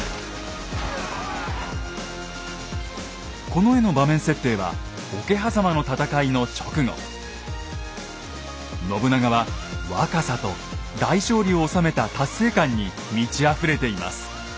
この絵の場面設定は信長は若さと大勝利を収めた達成感に満ちあふれています。